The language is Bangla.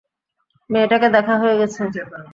মেয়েটাকে দেখা হয়ে গেছে।